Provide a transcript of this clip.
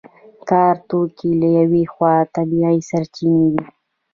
د کار توکي له یوې خوا طبیعي سرچینې دي.